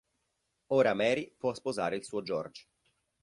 Ora Mary può sposare il suo George.